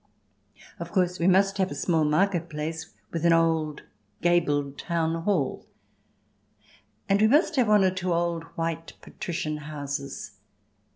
Of course, we must have a small market place with an old gabled town hall. And we must have one or two old white patrician houses.